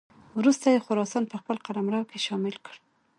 وروسته یې خراسان په خپل قلمرو کې شامل کړ.